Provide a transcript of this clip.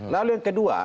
lalu yang kedua